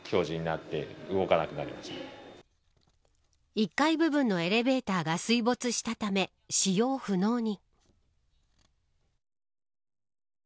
１階部分のエレベーターが水没したため使用不能に。